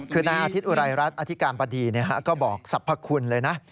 คือนายอาทิตยอุรายรัฐอธิการบดีก็บอกสรรพคุณเลยนะ